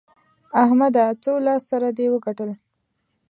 احمده! څو لاس سره دې وګټل؟